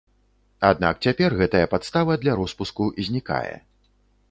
Аднак цяпер гэтая падстава для роспуску знікае.